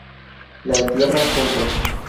La entierran juntos.